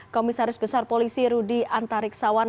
komisaris besar polisi rudy antariksawan